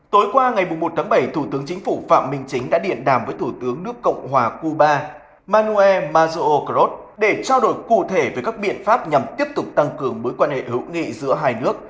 tối qua ngày một tháng bảy thủ tướng chính phủ phạm minh chính đã điện đàm với thủ tướng nước cộng hòa cuba manuel mazuo kroz để trao đổi cụ thể về các biện pháp nhằm tiếp tục tăng cường mối quan hệ hữu nghị giữa hai nước